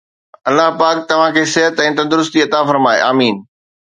الله پاڪ توهان کي صحت ۽ تندرستي عطا فرمائي، آمين